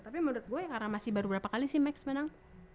tapi menurut gue karena masih baru berapa kali sih max menang